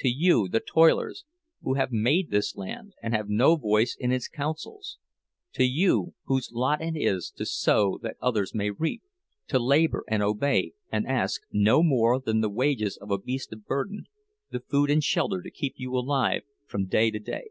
To you, the toilers, who have made this land, and have no voice in its councils! To you, whose lot it is to sow that others may reap, to labor and obey, and ask no more than the wages of a beast of burden, the food and shelter to keep you alive from day to day.